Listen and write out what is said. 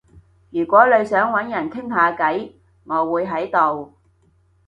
如果你想搵人傾下偈，我會喺度